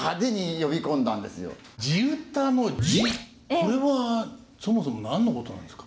これはそもそも何のことなんですか？